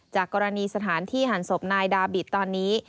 จากกรณีสถานที่หันศพนายดาบิตตอนนี้